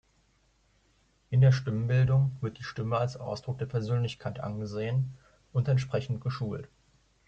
In der Stimmbildung wird die Stimme als Ausdruck der Persönlichkeit angesehen und entsprechend geschult.